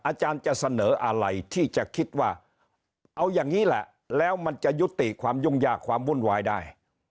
อาจารย์จะเสนออะไรที่จะคิดว่าเอาอย่างนี้แหละแล้วมันจะยุติความยุ่งยากความวุ่นวายได้